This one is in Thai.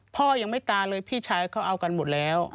พ่อยังไม่ตายเลยพี่ชายเขาเอากันหมดแล้ว